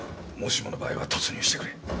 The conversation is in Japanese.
もしもの場合は突入してくれ。